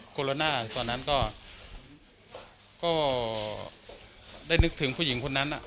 โลน่าตอนนั้นก็ได้นึกถึงผู้หญิงคนนั้น